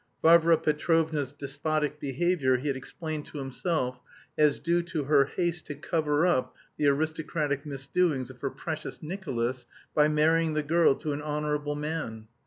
Varvara Petrovna's despotic behaviour he had explained to himself as due to her haste to cover up the aristocratic misdoings of her precious "Nicolas" by marrying the girl to an honourable man!